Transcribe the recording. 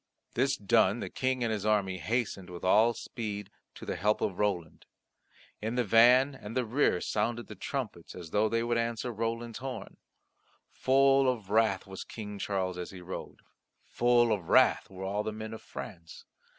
This done, the King and his army hastened with all speed to the help of Roland. In the van and the rear sounded the trumpets as though they would answer Roland's horn. Full of wrath was King Charles as he rode; full of wrath were all the men of France.